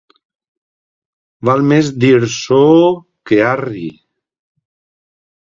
Val més dir so que arri.